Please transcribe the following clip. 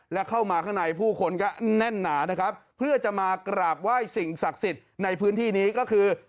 และเข้ามาข้างในผู้คนก็แน่นหนานะครับเพื่อจะมากราบไหว้สิ่งศักดิ์สิทธิ์ในพื้นที่นี้ก็คือ